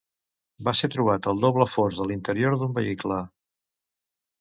Va ser trobat al doble fons de l'interior d'un vehicle.